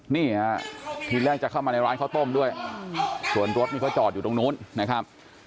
นี่ฮะทีแรกจะเข้ามาในร้านข้าวต้มด้วยส่วนรถนี่เขาจอดอยู่ตรงนู้นนะครับ